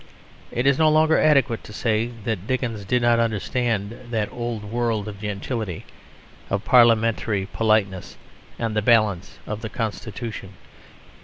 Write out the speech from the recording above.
It is no longer adequate to say that Dickens did not understand that old world of gentility, of parliamentary politeness and the balance of the constitution.